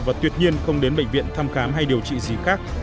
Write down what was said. và tuyệt nhiên không đến bệnh viện thăm khám hay điều trị gì khác